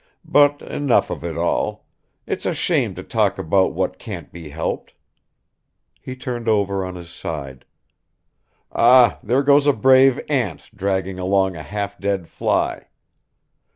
But enough of it all. It's a shame to talk about what can't be helped." He turned over on his side. "Ah, there goes a brave ant dragging along a half dead fly.